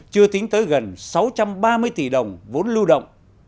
chưa tính tới gần sáu trăm ba mươi tỷ đồng vốn lưu động